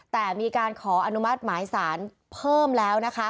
แต่มีการขออนุมัติไม้สารเพิ่มแล้ว